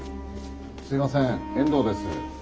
・すいません遠藤です。